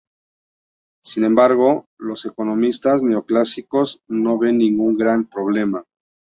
Sin embargo, los economistas neoclásicos no ven ningún gran problema.